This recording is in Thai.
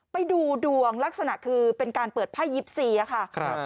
ไปดูดวงลักษณะคือเป็นการเปิดพ่ายิปซีอะค่ะ